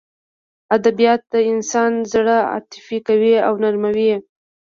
ادبیات د انسان زړه عاطفي کوي او نرموي یې